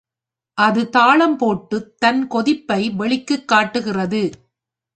அது தாளம் போட்டுத் தன் கொதிப்பை வெளிக்குக் காட்டுகிறது.